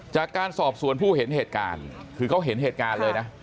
จากการสอบสวนผู้เห็นเหตุการณ์คือเขาเห็นเหตุการณ์เลยนะ